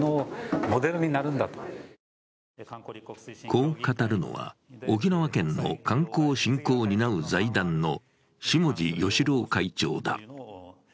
こう語るのは、沖縄県の観光振興を担う財団の下地芳郎会長だ。